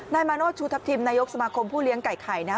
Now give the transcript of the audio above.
นายมาโนธชูทัพทิมนายกสมาคมผู้เลี้ยงไก่ไข่นะ